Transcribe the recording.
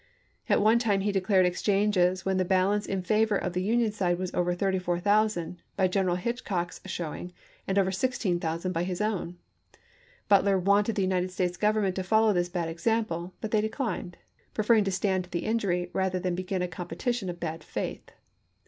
At one time he declared exchanges when the balance in favor of the Union side was over 34,000 by General Hitch cock's showing, and over 16,000 by his own. Butler wanted the United States Government to follow this bad example, but they declined, preferring to stand the injury rather than begin a competition of bad faith.